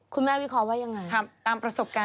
คุณแม่วิเคราะห์ว่ายังไง